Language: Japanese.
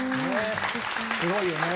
すごいよね。